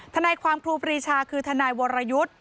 ทนายความครูปรีชาคือทนายวรยุทธ์